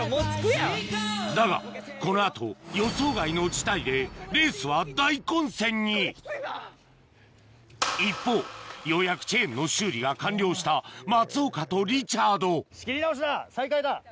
だがこの後予想外の事態でレースは大混戦に一方ようやくチェーンの修理が完了した松岡とリチャード再開だ。